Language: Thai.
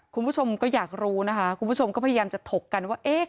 คุณผู้ชมก็อยากรู้นะคะคุณผู้ชมก็พยายามจะถกกันว่าเอ๊ะ